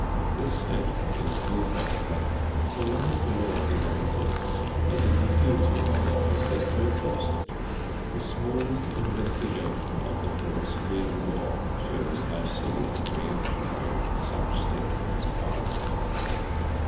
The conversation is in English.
This statement is to the effect that so long as the law is on the books, it is the duty of officers to enforce it. The smallest investigation of the philosophy of law shows how silly and reactionary such statements are.